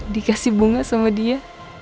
dikasih bunga sama dia